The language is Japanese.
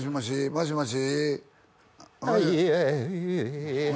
「もしもし？」